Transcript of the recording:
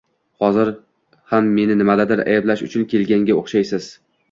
Hozir ham meni nimadadir ayblash uchun kelganga o‘xshaysiz